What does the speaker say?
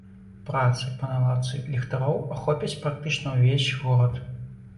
Працы па наладцы ліхтароў ахопяць практычна ўвесь горад.